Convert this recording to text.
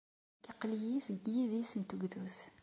Nekk aql-iyi seg yidis n tugdut.